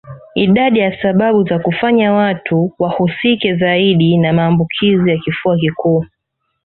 Idadi ya sababu za kufanya watu wahusike zaidi na maambukizi ya kifua kikuu